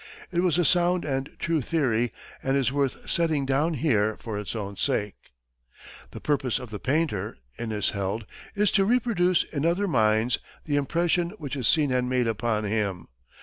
It was a sound and true theory, and is worth setting down here for its own sake. "The purpose of the painter," Inness held, "is to reproduce in other minds the impression which a scene had made upon him.